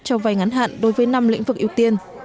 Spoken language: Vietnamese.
cho vay ngắn hạn đối với năm lĩnh vực ưu tiên